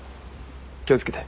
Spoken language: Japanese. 気を付けて。